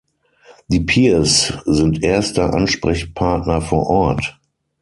Die Peers sind erster Ansprechpartner vor Ort.